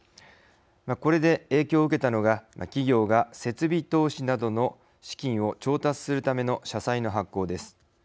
これで影響を受けたのが企業が設備投資などの資金を調達するための社債の発行です。